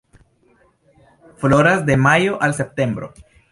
Floras de majo al septembro.